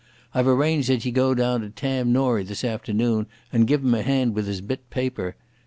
I've arranged that ye go down to Tam Norie this afternoon and give him a hand with his bit paper.